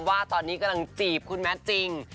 ว่าตอนนี้กำลังจีบคุณแมทจริง